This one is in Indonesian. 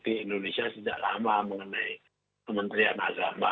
di indonesia sejak lama mengenai kementerian agama